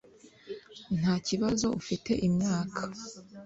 ntakibazo ufite imyaka,